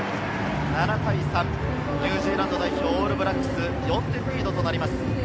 ７対３、ニュージーランド代表・オールブラックス、４点リードとなります。